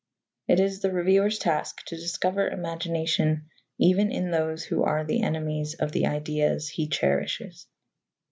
It is the reviewer's task to discover imagination even in those who are the enemies of the ideas he cherishes.